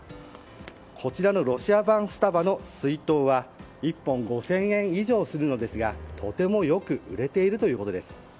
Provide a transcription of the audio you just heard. こちらのロシア版スタバの水筒は１本５０００円以上するのですがとてもよく売れているということです。